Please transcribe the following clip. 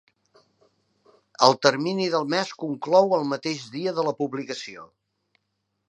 El termini del mes conclou el mateix dia de la publicació.